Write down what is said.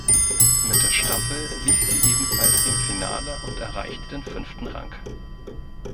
Mit der Staffel lief sie ebenfalls im Finale und erreichte den fünften Rang.